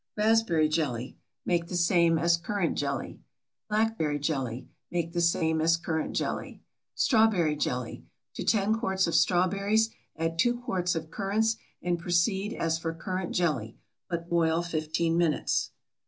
RASPBERRY JELLY. Make the same as currant jelly. BLACKBERRY JELLY. Make the same as currant jelly. STRAWBERRY JELLY. To 10 quarts of strawberries add 2 quarts of currants and proceed as for currant jelly, but boil fifteen minutes.